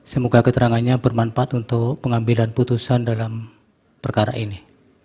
semoga keterangannya bermanfaat untuk pengambilan putusan dalam perkara ini